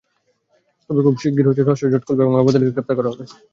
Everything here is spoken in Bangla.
তবে খুব শিগগির হত্যার রহস্যজট খুলবে এবং অপরাধীদের গ্রেপ্তার করা হবে।